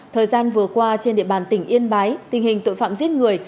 thời gian vừa qua trên địa bàn tỉnh yên bái tình hình tội phạm giết người